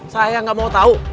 saya gak mau tau